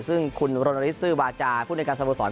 ซึ่งคุณโรนาลิซซื้อบาจาผู้ยังการสะอมบูร์สอล